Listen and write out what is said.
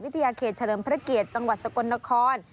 ยาเขตเฉลิมพระเกียรติจังหวัดสกลนคร